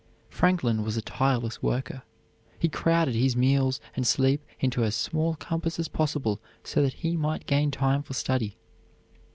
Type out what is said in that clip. Franklin was a tireless worker. He crowded his meals and sleep into as small compass as possible so that he might gain time for study.